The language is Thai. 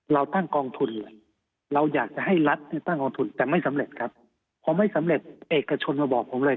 เราตั้งกองทุนเลยเราอยากจะให้รัฐเนี่ยตั้งกองทุนแต่ไม่สำเร็จครับพอไม่สำเร็จเอกชนมาบอกผมเลย